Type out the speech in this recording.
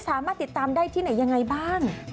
สามารถติดตามได้ที่ไหนยังไงบ้าง